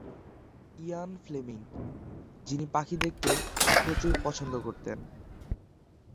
ইয়ান Fleming, যিনি পাখি দেখতে প্রচুর পছন্দ করতেন।